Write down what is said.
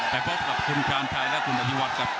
แปบครบกับคุณกาญชายและคุณอธิวัตรครับ